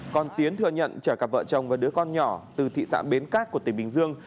còn tiến thừa nhận chở cặp vợ chồng và đứa con nhỏ từ thị xã bến cát của tỉnh bình dương